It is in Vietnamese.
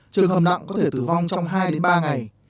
trường hợp nặng có thể tử vong trong hai ba ngày